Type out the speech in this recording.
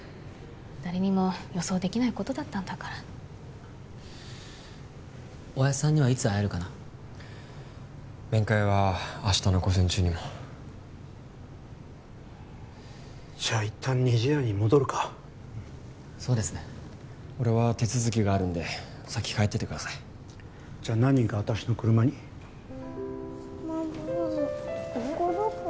誰にも予想できないことだったんだからおやっさんにはいつ会えるかな面会は明日の午前中にもじゃあいったんにじやに戻るかそうですね俺は手続きがあるんで先帰っててくださいじゃあ何人か私の車にママここどこ？